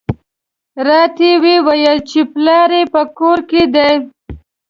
راته یې وویل چې پلار یې په کور کې دی.